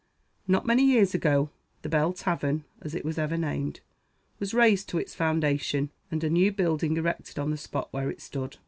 Not many years ago the Bell Tavern, as it was ever named, was razed to its foundation, and a new building erected on the spot where it stood.